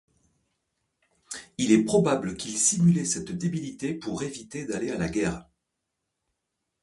Il est probable qu'il simulait cette débilité pour éviter d'aller à la guerre.